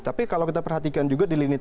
tapi kalau kita perhatikan juga